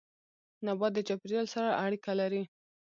نبات د چاپيريال سره اړيکه لري